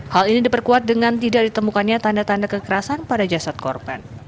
hal ini diperkuat dengan tidak ditemukannya tanda tanda kekerasan pada jasad korban